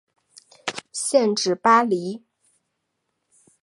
县治巴黎。